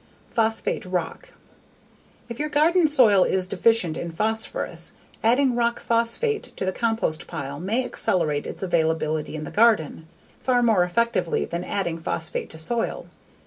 Phosphate rock. If your garden soil is deficient in phosphorus, adding rock phosphate to the compost pile may accelerate its availability in the garden, far more effectively than adding phosphate to soil.